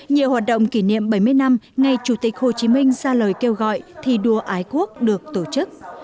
nhiều hoạt động kỷ niệm bảy mươi năm ngày chủ tịch hồ chí minh ra lời kêu gọi thi đua ái quốc được tổ chức